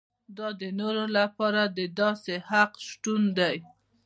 دا د نورو لپاره د داسې حق شتون دی.